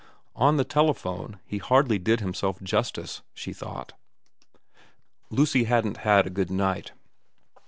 On the telephone he hardly did himself justice, she thought. Lucy hadn't had a good night.